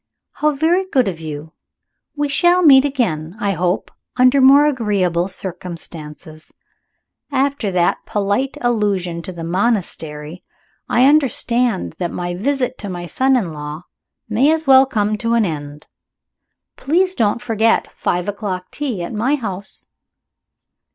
"How very good of you! We shall meet again, I hope, under more agreeable circumstances. After that polite allusion to a monastery, I understand that my visit to my son in law may as well come to an end. Please don't forget five o'clock tea at my house."